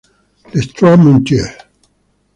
Les Trois-Moutiers